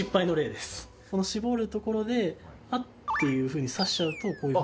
この絞るところであっ！っていうふうに刺しちゃうと。